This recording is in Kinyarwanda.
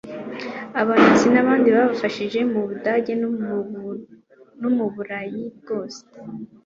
abanazi n'abandi babafashije mu budage no mu burayi bwose